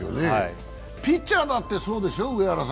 ピッチャーだってそうでしょう？